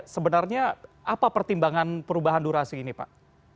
sebenarnya apa pertimbangan perubahan durasi ini pak